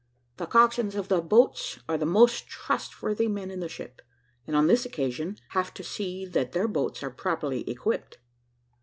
The coxswains of the boats are the most trustworthy men in the ship, and, on this occasion, have to see that their boats are properly equipped.